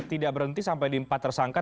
tidak berhenti sampai di empat tersangka